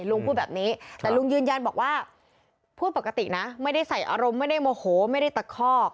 พูดแบบนี้แต่ลุงยืนยันบอกว่าพูดปกตินะไม่ได้ใส่อารมณ์ไม่ได้โมโหไม่ได้ตะคอก